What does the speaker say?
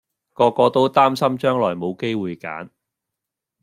個個都擔心將來冇機會揀